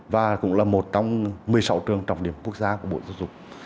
và cũng là một trong một mươi sáu trường trọng điểm quốc gia của bộ giáo dục